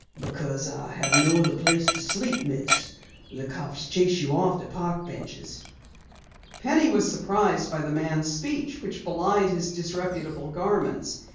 "Because I have no other place to sleep, Miss. The cops chase you off the park benches." Penny was surprised by the man's speech which belied his disreputable garments.